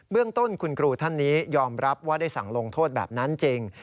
เรื่องต้นคุณครูท่านนี้ยอมรับว่าได้สั่งลงโทษแบบนั้นจริง